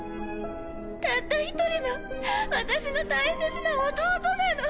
たった一人の私の大切な義弟なの。